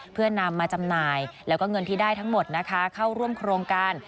เพื่อนำมาจำหน่ายแล้วก็เงินที่ได้ทั้งหมดนะคะเข้าร่วมโครงการ